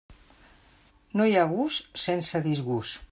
No hi ha gust sense disgust.